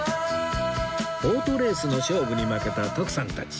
オートレースの勝負に負けた徳さんたち